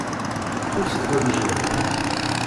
Txuṣṣ tɣenǧawt.